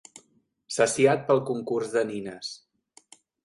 Saciat pel concurs de nines.